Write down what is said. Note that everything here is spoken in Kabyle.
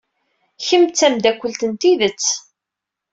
Kemm d tameddakelt n tidet.